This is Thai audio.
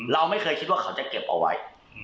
เราไม่เคยคิดว่าเขาจะเก็บเอาไว้